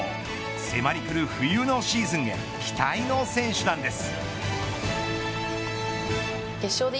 迫り来る冬のシーズンへ期待の選手なんです。